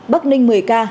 bắc ninh một mươi ca